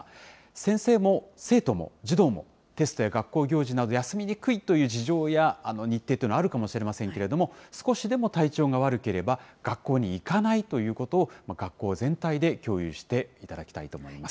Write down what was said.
先生も生徒も児童も、テストや学校行事など、休みにくいという事情や日程というのはあるかもしれませんけれども、少しでも体調が悪ければ、学校に行かないということを、学校全体で共有していただきたいと思います。